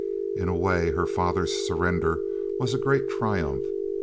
In a way, her father's surrender was a great triumph.